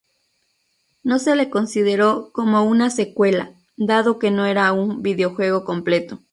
No se le consideró como una secuela, dado que no era un videojuego completo.